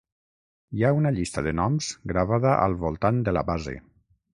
Hi ha una llista de noms gravada al voltant de la base.